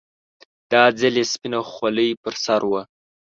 دا ځل يې سپينه خولۍ پر سر وه.